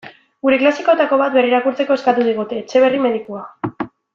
Gure klasikoetako bat berrirakurtzeko eskatu digute: Etxeberri medikua.